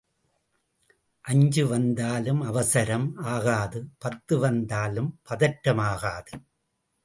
அஞ்சு வந்தாலும் அவசரம் ஆகாது பத்து வந்தாலும் பதற்றம் ஆகாது.